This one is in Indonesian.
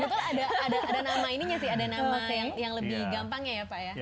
betul ada nama ininya sih ada nama yang lebih gampangnya ya pak ya